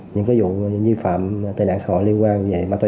những vụ như phạm tệ nạn xã hội liên quan